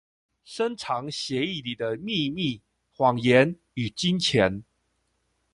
深藏血液裡的祕密、謊言與金錢